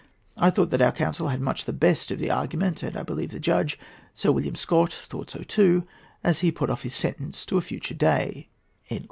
I thought that our counsel had much the best of the argument, and I believe the judge, Sir William Scott, thought so too, as he put off his sentence to a future day."